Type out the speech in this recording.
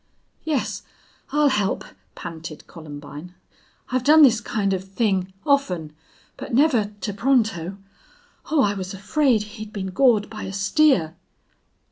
"Yes I'll help," panted Columbine. "I've done this kind of thing often but never to Pronto.... Oh, I was afraid he'd been gored by a steer."